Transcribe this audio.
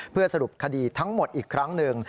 เพื่อสรุปคดีทั้งหมดอีกครั้งหนึ่ง